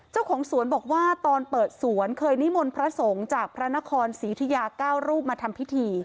เจ้าของสวนบอกว่าตอนเปิดสวนเคยนิมนต์พระสงฆ์จากพระนครศรีอุทิยา๙รูปมาทำพิธี